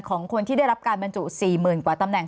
ของคนที่ได้รับการบรรจุ๔๐๐๐กว่าตำแหน